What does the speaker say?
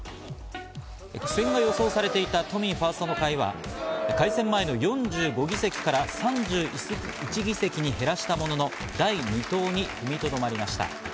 苦戦が予想された都民ファーストの会は改選前の４５議席から３１議席に減らしたものの、第２党に踏みとどまりました。